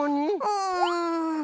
うん。